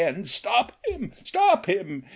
And " Stop him !— stop him !